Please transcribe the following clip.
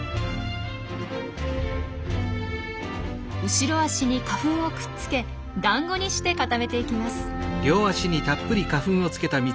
後ろ足に花粉をくっつけだんごにして固めていきます。